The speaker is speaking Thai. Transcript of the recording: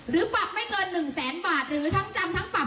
หรือปับไม่เกินหนึ่งแสนบาทหรือทั้งจำทั้งปรับ